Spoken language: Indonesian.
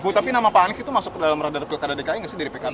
ibu tapi nama pak anies itu masuk dalam latihan pkb